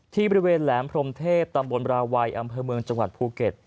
ที่บริเวณแหลมพรมเทพตำบลราวัยอำเภอเมืองจังหวัดภูเก็ต